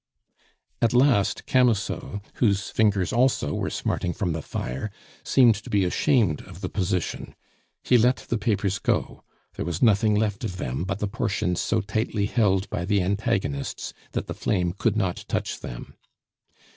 At last Camusot, whose fingers also were smarting from the fire, seemed to be ashamed of the position; he let the papers go; there was nothing left of them but the portions so tightly held by the antagonists that the flame could not touch them.